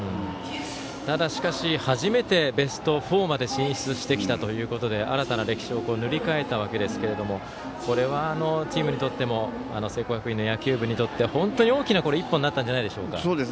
ただ、しかし初めてベスト４まで進出してきたということで新たな歴史を塗り替えたわけですけれどもこれはチームにとっても聖光学院の野球部にとっても本当に大きな一歩になったんじゃないでしょうか。